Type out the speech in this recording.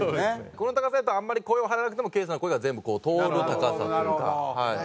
この高さやとあんまり声を張らなくてもケイさんの声が全部こう通る高さというかはい。